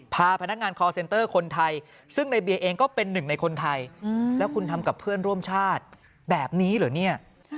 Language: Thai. พาพนักงานคอลเซนเตอร์คนไทยซึ่งในเบียเองก็เป็นหนึ่งในคนไทย